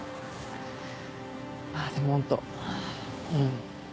まぁでもホントうん。